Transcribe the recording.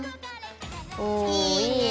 おいいね！